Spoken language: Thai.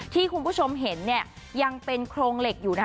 ที่คุณผู้ชมเห็นเนี่ยยังเป็นโครงเหล็กอยู่นะคะ